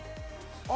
あ。